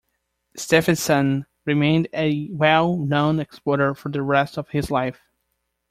Stefansson remained a well-known explorer for the rest of his life.